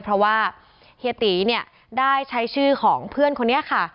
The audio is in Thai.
เพราะว่าเฮียตีเนี่ยได้ใช้ชื่อของเพื่อนคนนี้ค่ะ